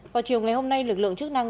vào chiều ngày hôm nay lực lượng chức năng